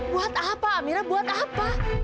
buat apa mira buat apa